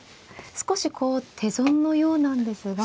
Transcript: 少しこう手損のようなんですが。